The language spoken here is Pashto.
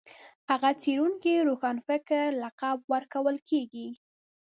هغه څېړونکي روښانفکر لقب ورکول کېږي